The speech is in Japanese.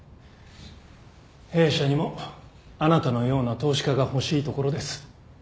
弊社にもあなたのような投資家が欲しいところです。